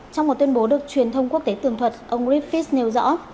trong một tuyên bố được truyền thông quốc tế tường thuật ông griffith nêu rõ